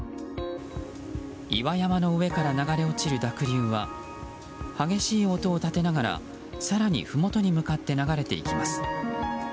岩山の上から流れ落ちる濁流は激しい音を立てながら更に、ふもとに向かって流れていきます。